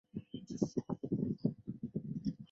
曷言乎罗汉脚也？